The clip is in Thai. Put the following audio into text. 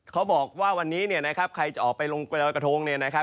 เขาบอกว่าวันนี้นะครับใครจะออกไปลงเกณฑ์กระทงนะครับ